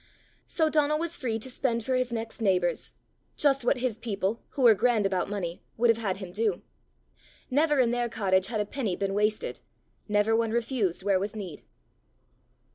So Donal was free to spend for his next neighbours just what his people, who were grand about money, would have had him do. Never in their cottage had a penny been wasted; never one refused where was need.